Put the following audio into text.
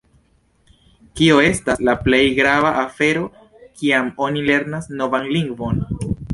Kio estas la plej grava afero kiam oni lernas novan lingvon?